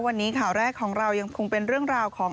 วันนี้ข่าวแรกของเรายังคงเป็นเรื่องราวของ